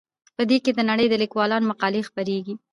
په دې کې د نړۍ د لیکوالو مقالې خپریږي.